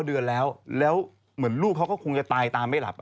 เดือนแล้วแล้วเหมือนลูกเขาก็คงจะตายตามไม่หลับ